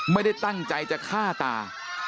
ไม่ได้ตั้งใจจะฆ่าตา